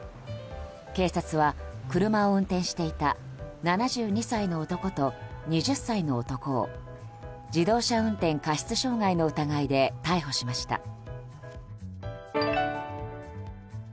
警察は車を運転していた７２歳の男と２０歳の男を自動車運転過失傷害の疑いで逮捕しました。